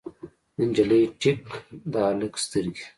د نجلۍ ټیک، د هلک سترګې